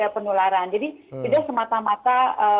penularan jadi tidak semata mata